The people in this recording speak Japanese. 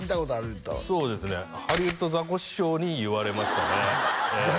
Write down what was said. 言ってたわそうですねハリウッドザコシショウに言われましたねええああ